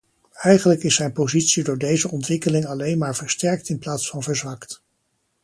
Eigenlijk is zijn positie door deze ontwikkeling alleen maar versterkt in plaats van verzwakt.